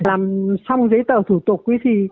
làm xong giấy tờ thủ tục